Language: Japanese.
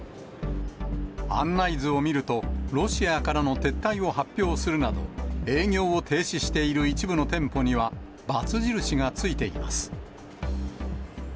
案内図を見ると、ロシアからの撤退を発表するなど、営業を停止している一部の店舗には、バツ印がついています。